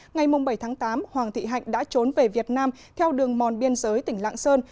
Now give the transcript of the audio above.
ngày bảy tháng tám hoàng thị hạnh đã trốn về việt nam theo đường mòn biên giới tỉnh lạng sơn